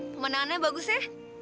pemandangannya bagus ya